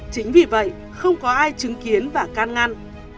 chính vì vậy không có ai chứng kiến và can ngăn